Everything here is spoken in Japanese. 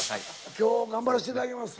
今日頑張らしていただきます。